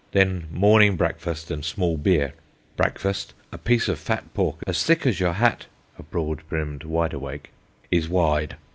Then morning brakfast and small beer. Brakfast a piece of fat pork as thick as your hat [a broad brimmed wideawake] is wide.